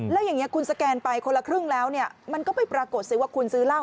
แล้วอย่างนี้คุณสแกนไปคนละครึ่งแล้วเนี่ยมันก็ไปปรากฏสิว่าคุณซื้อเหล้า